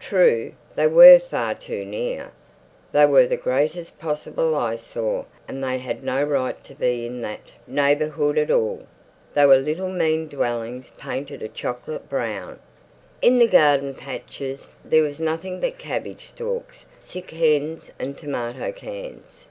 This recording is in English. True, they were far too near. They were the greatest possible eyesore, and they had no right to be in that neighbourhood at all. They were little mean dwellings painted a chocolate brown. In the garden patches there was nothing but cabbage stalks, sick hens and tomato cans.